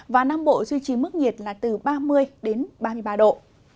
và nam bộ duy trì mức nhiệt là từ ba mươi đến ba mươi ba độ